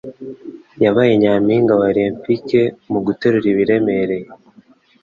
Yabaye nyampinga wa olempike mu guterura ibiremereye.